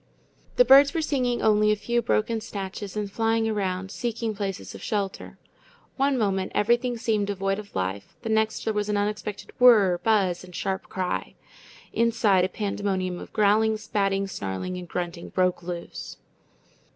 The birds were singing only a few broken snatches, and flying around, seeking places of shelter. One moment everything seemed devoid of life, the next there was an unexpected whir, buzz, and sharp cry. Inside, a pandemonium of growling, spatting, snarling, and grunting broke loose.